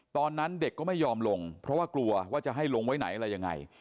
ตอนนั้นเด็กก็ไม่ยอมลงเพราะว่ากลัวว่าจะให้ลงไว้ไหนอะไรยังไง